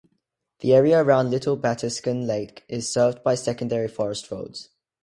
The area around Little Batiscan Lake is served by secondary forest roads.